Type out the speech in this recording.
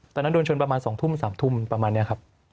โดนชนประมาณ๒ทุ่ม๓ทุ่มประมาณนี้ครับ